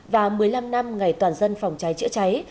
và một mươi năm năm ngày toàn dân phòng cháy chữa cháy